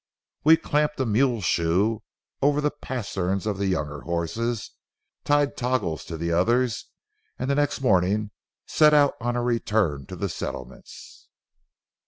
We clamped a mule shoe over the pasterns of the younger horses, tied toggles to the others, and the next morning set out on our return to the settlements."